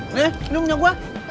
ini minumnya gue